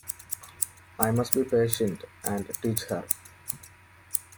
I must be patient and teach her.